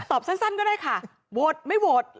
ตอบสั้นก็ได้ค่ะโวทย์ไม่โวทย์